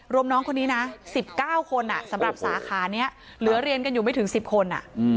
น้องคนนี้นะ๑๙คนสำหรับสาขานี้เหลือเรียนกันอยู่ไม่ถึง๑๐คน